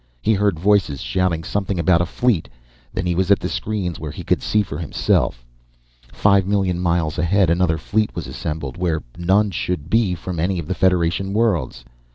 He heard voices shouting, something about a fleet. Then he was at the screens where he could see for himself. Five million miles ahead, another fleet was assembled, where none should be from any of the Federation worlds!